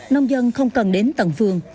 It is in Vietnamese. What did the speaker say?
nông dân không cần đến tận vườn